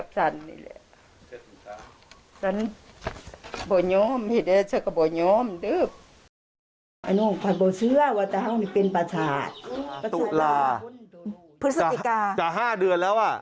พฤศจิกา